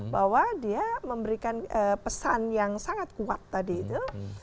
bahwa dia memberikan pesan yang sangat kuat tadi itu